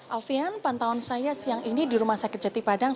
alfian pantauan saya siang ini di rumah sakit jatipadang